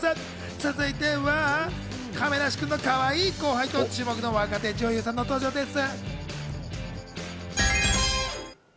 続いては、亀梨さんのかわいい後輩と注目の若手女優さんの登場です。